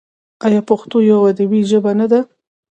آیا پښتو یوه ادبي ژبه نه ده؟